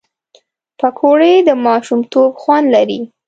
پکورې د ماشومتوب خوند لري